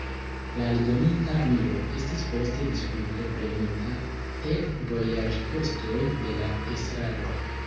La aldonita milo estis post diskuto prenita el vojaĝkostoj de la estraro.